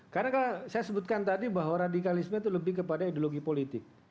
karena saya sebutkan tadi bahwa radikalisme itu lebih kepada ideologi politik